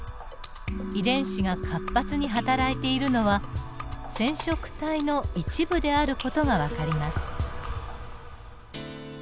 遺伝子が活発にはたらいているのは染色体の一部である事が分かります。